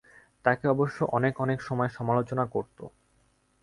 তাঁকে অবশ্য অনেকে অনেক সময় সমালোচনা করত।